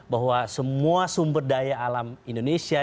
bahwa semua sumber daya alam indonesia